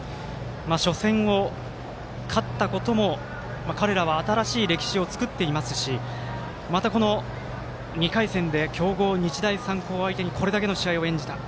初戦を勝ったことも彼らは新しい歴史を作っていますしまた、２回戦で強豪、日大三高相手にこれだけの試合を演じた。